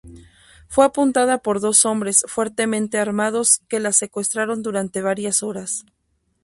Fue apuntada por dos hombres fuertemente armados que la secuestraron durante varias horas.